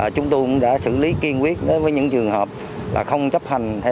chúng tôi cũng đã xử lý kiên quyết đối với những trường hợp là không chấp hành